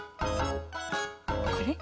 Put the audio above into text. これ？